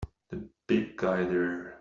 The big guy there!